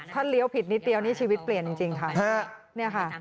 ถ้าเลี้ยวผิดนิดเดียวนี่ชีวิตเปลี่ยนจริงค่ะ